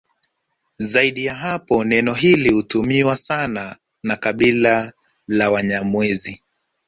Zaidi ya hapo neno hili hutumiwa sana na kabila la Wanyamwezi